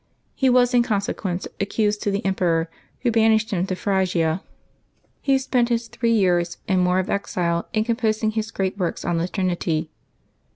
He was in consequence accused to the emperor, who banished him to Phrygia. He spent his three years and more of exile in composing his gi'eat works on the Trinity.